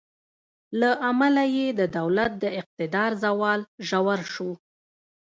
له امله یې د دولت د اقتدار زوال ژور شو.